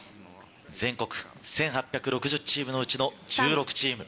全国１８６０チームのうちの１６チーム。